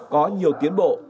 có nhiều tiến bộ